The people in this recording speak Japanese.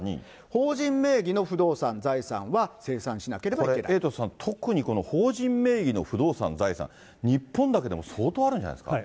法人名義の不動産、財産は、これエイトさん、特にこの法人名義の不動産、財産、日本だけでも相当あるんじゃないですか。